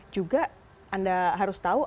juga anda harus tahu